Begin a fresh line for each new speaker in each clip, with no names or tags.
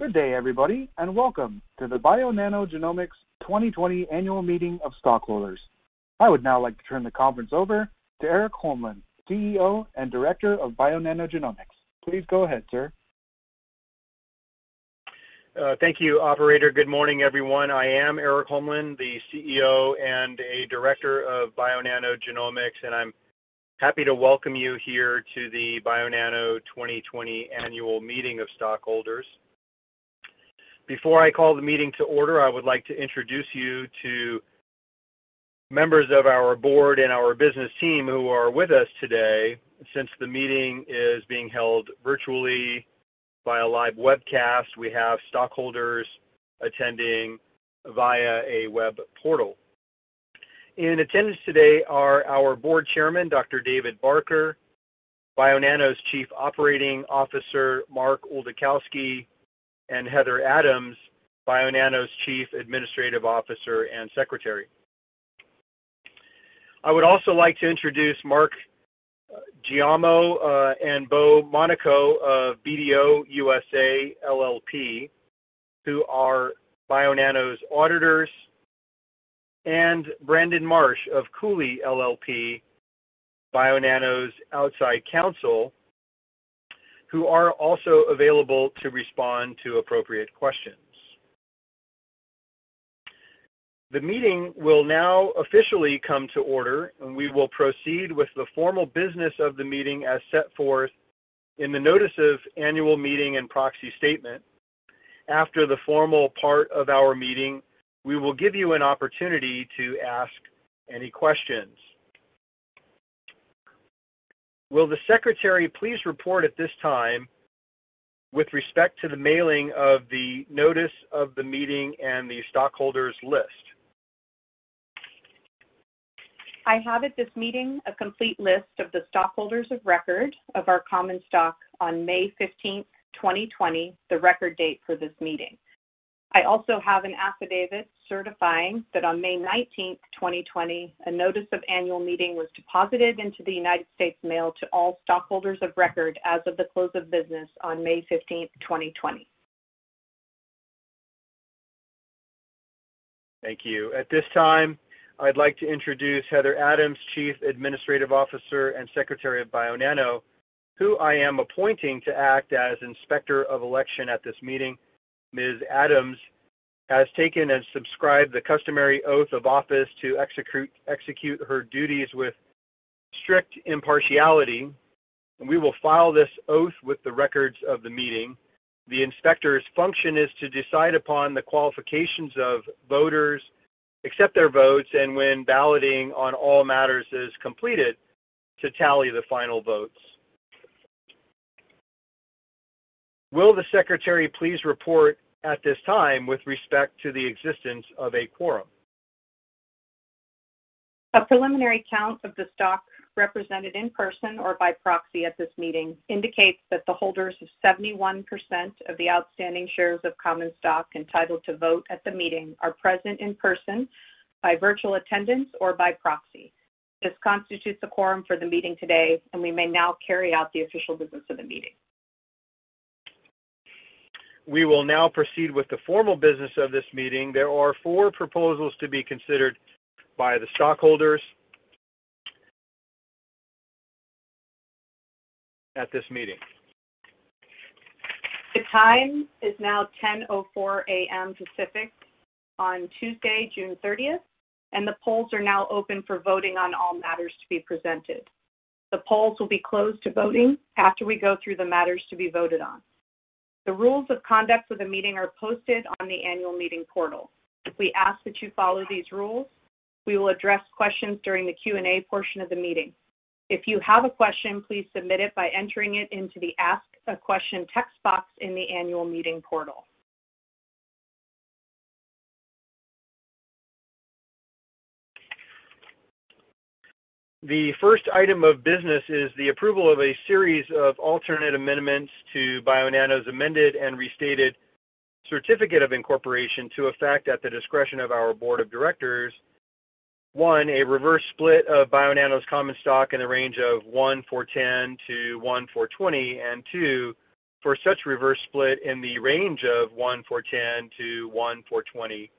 Good day, everybody, and welcome to the Bionano Genomics 2020 annual meeting of stockholders. I would now like to turn the conference over to Erik Holmlin, CEO and Director of Bionano Genomics. Please go ahead, sir.
Thank you, Operator. Good morning, everyone. I am Erik Holmlin, the CEO and a Director of Bionano Genomics, and I'm happy to welcome you here to the Bionano 2020 annual meeting of stockholders. Before I call the meeting to order, I would like to introduce you to members of our Board and our business team who are with us today. Since the meeting is being held virtually via live webcast, we have stockholders attending via a web portal. In attendance today are our Board Chairman, Dr. David Barker, Bionano's Chief Operating Officer, Mark Oldakowski, and Heather Adams, Bionano's Chief Administrative Officer and Secretary. I would also like to introduce Mark Giammo and Bo Monaco of BDO USA LLP, who are Bionano's auditors, and Brandon Marsh of Cooley LLP, Bionano's outside counsel, who are also available to respond to appropriate questions. The meeting will now officially come to order, and we will proceed with the formal business of the meeting as set forth in the notice of annual meeting and proxy statement. After the formal part of our meeting, we will give you an opportunity to ask any questions. Will the Secretary please report at this time with respect to the mailing of the notice of the meeting and the stockholders' list?
I have at this meeting a complete list of the stockholders of record of our common stock on May 15, 2020, the record date for this meeting. I also have an affidavit certifying that on May 19, 2020, a notice of annual meeting was deposited into the U.S. mail to all stockholders of record as of the close of business on May 15, 2020.
Thank you. At this time, I'd like to introduce Heather Adams, Chief Administrative Officer and Secretary of Bionano, who I am appointing to act as Inspector of Election at this meeting. Ms. Adams has taken and subscribed the customary oath of office to execute her duties with strict impartiality, and we will file this oath with the records of the meeting. The Inspector's function is to decide upon the qualifications of voters, accept their votes, and when balloting on all matters is completed, to tally the final votes. Will the Secretary please report at this time with respect to the existence of a quorum?
A preliminary count of the stock represented in person or by proxy at this meeting indicates that the holders of 71% of the outstanding shares of common stock entitled to vote at the meeting are present in person, by virtual attendance, or by proxy. This constitutes the quorum for the meeting today, and we may now carry out the official business of the meeting.
We will now proceed with the formal business of this meeting. There are four proposals to be considered by the stockholders at this meeting.
The time is now 10:04 AM. Pacific on Tuesday, June 30, and the polls are now open for voting on all matters to be presented. The polls will be closed to voting after we go through the matters to be voted on. The rules of conduct for the meeting are posted on the annual meeting portal. We ask that you follow these rules. We will address questions during the Q&A portion of the meeting. If you have a question, please submit it by entering it into the Ask a Question text box in the annual meeting portal.
The first item of business is the approval of a series of alternate amendments to Bionano amended and restated certificate of incorporation to effect at the discretion of our Board of Directors. One, a reverse split of Bionano common stock in the range of one for ten to one for twenty, and two, for such reverse split in the range of one for ten to one for twenty,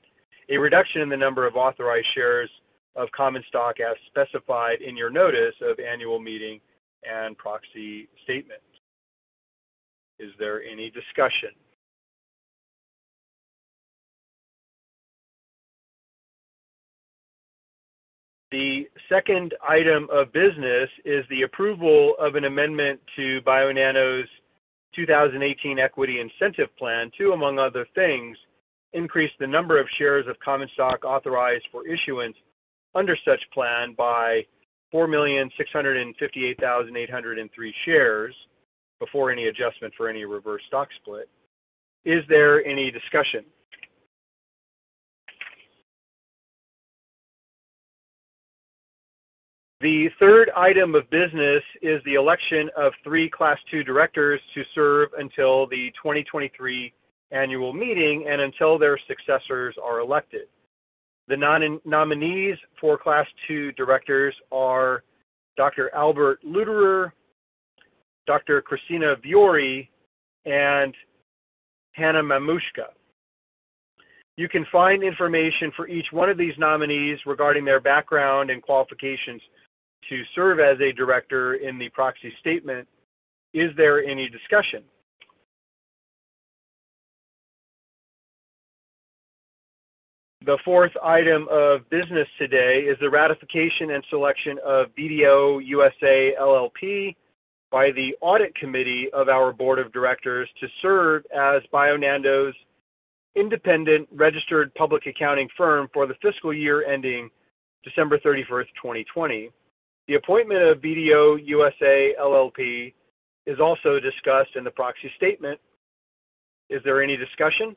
a reduction in the number of authorized shares of common stock as specified in your notice of annual meeting and proxy statement. Is there any discussion? The second item of business is the approval of an amendment to Bionano's 2018 Equity Incentive Plan to, among other things, increase the number of shares of common stock authorized for issuance under such plan by 4,658,803 shares before any adjustment for any reverse stock split. Is there any discussion? The third item of business is the election of three Class II directors to serve until the 2023 annual meeting and until their successors are elected. The nominees for Class II directors are Dr. Albert Luterer, Dr. Christina Viori, and Hannah Mamushka. You can find information for each one of these nominees regarding their background and qualifications to serve as a director in the proxy statement. Is there any discussion? The fourth item of business today is the ratification and selection of BDO USA LLP by the Audit Committee of our Board of Directors to serve as Bionanos independent registered public accounting firm for the fiscal year ending December 31, 2020. The appointment of BDO USA LLP is also discussed in the proxy statement. Is there any discussion?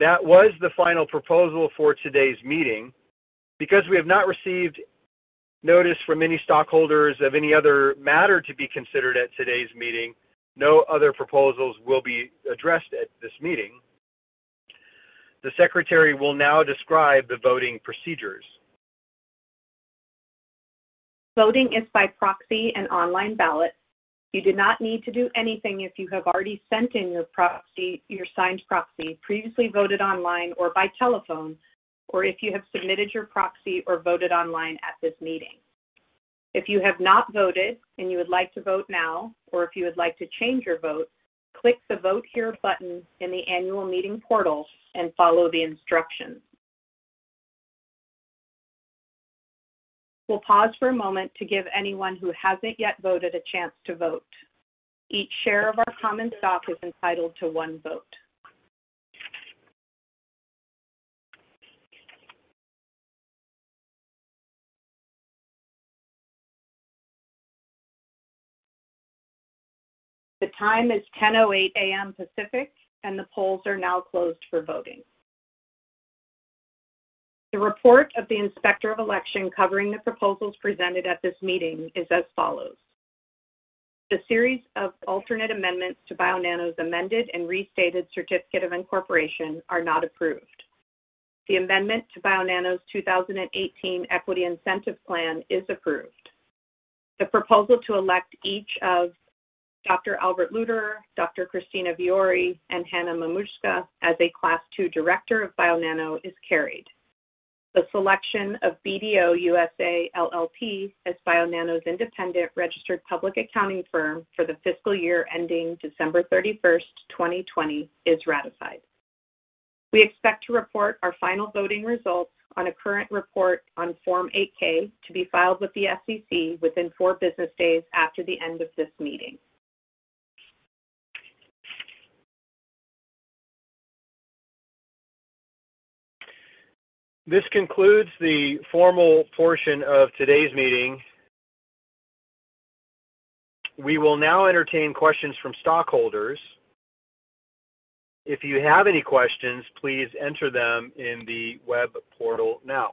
That was the final proposal for today's meeting. Because we have not received notice from any stockholders of any other matter to be considered at today's meeting, no other proposals will be addressed at this meeting. The Secretary will now describe the voting procedures.
Voting is by proxy and online ballot. You do not need to do anything if you have already sent in your proxy, your signed proxy, previously voted online or by telephone, or if you have submitted your proxy or voted online at this meeting. If you have not voted and you would like to vote now, or if you would like to change your vote, click the Vote Here button in the annual meeting portal and follow the instructions. We'll pause for a moment to give anyone who hasn't yet voted a chance to vote. Each share of our common stock is entitled to one vote. The time is 10:08 AM. Pacific, and the polls are now closed for voting. The report of the Inspector of Election covering the proposals presented at this meeting is as follows. The series of alternate amendments to Bionano amended and restated certificate of incorporation are not approved. The amendment to Bionano 2018 Equity Incentive Plan is approved. The proposal to elect each of Dr. Albert Luterer, Dr. Christina Viori, and Hannah Mamushka as a Class II director of Bionano Genomics is carried. The selection of BDO USA LLP as Bionano independent registered public accounting firm for the fiscal year ending December 31, 2020, is ratified. We expect to report our final voting results on a current report on Form 8-K to be filed with the SEC within four business days after the end of this meeting.
This concludes the formal portion of today's meeting. We will now entertain questions from stockholders. If you have any questions, please enter them in the web portal now.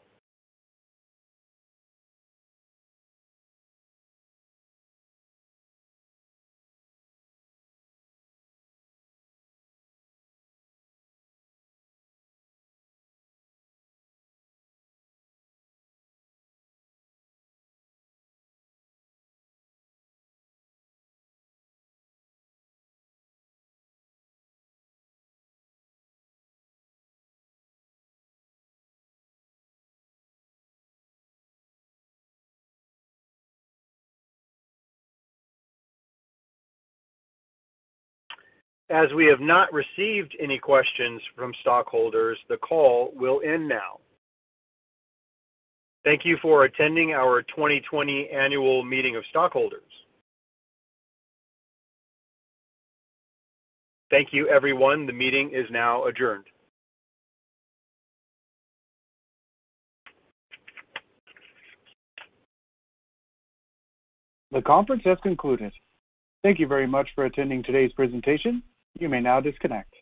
As we have not received any questions from stockholders, the call will end now. Thank you for attending our 2020 annual meeting of stockholders. Thank you, everyone. The meeting is now adjourned.
The conference has concluded. Thank you very much for attending today's presentation. You may now disconnect.